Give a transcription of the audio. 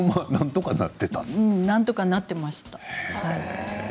なんとかなっていました。